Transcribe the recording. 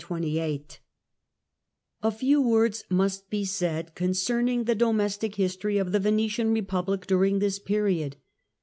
Domestic A few words must be said concerning the domestic v'euke ° history of the Venetian Republic during this period.